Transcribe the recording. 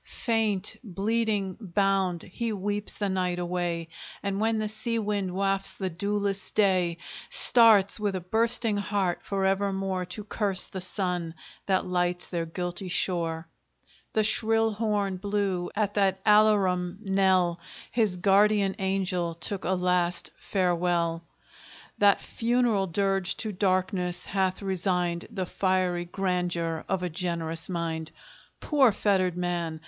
Faint, bleeding, bound, he weeps the night away, And when the sea wind wafts the dewless day, Starts, with a bursting heart, for evermore To curse the sun that lights their guilty shore! The shrill horn blew; at that alarum knell His guardian angel took a last farewell. That funeral dirge to darkness hath resigned The fiery grandeur of a generous mind. Poor fettered man!